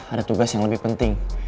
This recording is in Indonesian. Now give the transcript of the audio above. ada tugas yang lebih penting